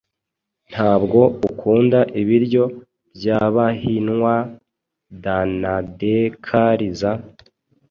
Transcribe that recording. Ntabwo ukunda ibiryo byabahinwa DanaDecalza